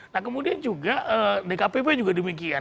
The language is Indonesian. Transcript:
nah kemudian juga dkpp juga demikian